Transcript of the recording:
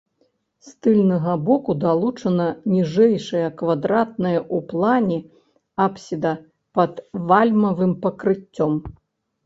З тыльнага боку далучана ніжэйшая квадратная ў плане апсіда пад вальмавым пакрыццём.